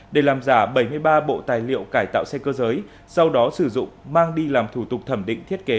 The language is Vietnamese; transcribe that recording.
để làm giả bảy mươi ba bộ tài liệu cải tạo xe cơ giới sau đó sử dụng mang đi làm thủ tục thẩm định thiết kế